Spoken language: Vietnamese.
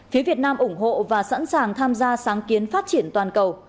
phía việt nam ủng hộ và sẵn sàng tham gia sáng kiến phát triển toàn cầu